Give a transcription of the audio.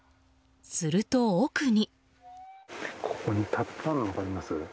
すると奥に。